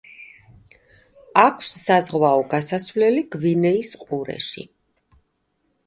აქვს საზღვაო გასასვლელი გვინეის ყურეში.